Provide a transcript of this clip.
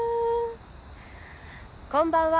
こんばんは。